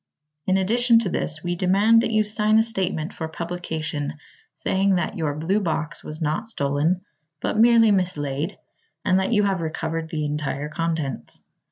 In addition to this, we demand that you sign a statement, for publication, saying that your blue box was not stolen, but merely mislaid, and that you have recovered the entire contents.